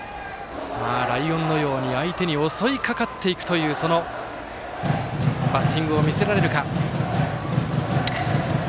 ライオンのように相手に襲いかかっていくというそのバッティングを見せられるか。